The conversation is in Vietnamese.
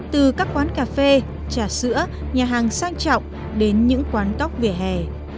từ các quán cà phê trà sữa nhà hàng sang trọng đến những quán tóc vỉa hè